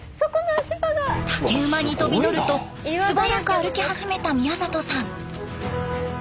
竹馬に飛び乗ると素早く歩き始めた宮里さん。